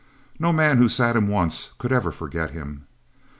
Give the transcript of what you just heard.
No man who sat him once could ever forget him.